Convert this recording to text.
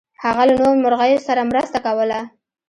هغه له نورو مرغیو سره مرسته کوله.